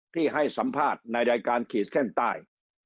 ที่ให้สัมภาษณ์ในรายการขีดเส้นใต้